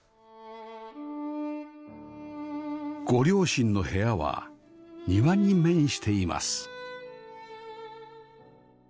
ご両親の部屋は庭に面しています